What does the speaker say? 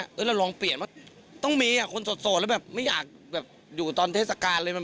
เราลองเปลี่ยนว่าต้องมีคนโสดแล้วแบบไม่อยากอยู่ตอนเทศกาลเลย